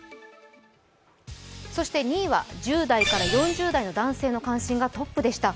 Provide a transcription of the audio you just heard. ２位は、１０代から４０代の男性の関心がトップでした。